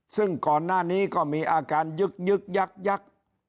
ซึ่งก่อนหน้านี้ก็มีอาการยึกยักยัก